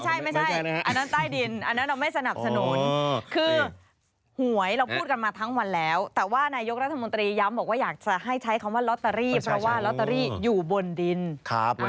เช็ดทุกอย่างเลยเช็ดหน้าเช็ดตาให้เรียบร้อย